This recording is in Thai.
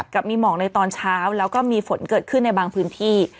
กับมีหมอกในตอนเช้าแล้วก็มีฝนเกิดขึ้นในบางพื้นที่